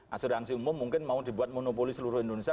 asuransi umum mungkin mau dibuat monopoli seluruh indonesia